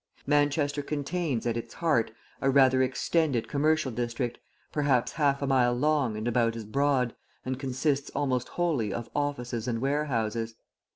Manchester contains, at its heart, a rather extended commercial district, perhaps half a mile long and about as broad, and consisting almost wholly of offices and warehouses.